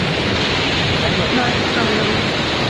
No es problema.